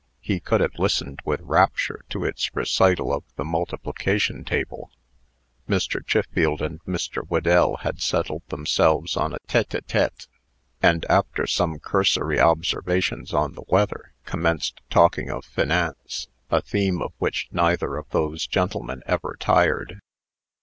He could have listened with rapture to its recital of the multiplication table. Mr. Chiffield and Mr. Whedell had settled themselves on a tête à tête, and, after some cursory observations on the weather, commenced talking of finance a theme of which neither of those gentlemen ever tired.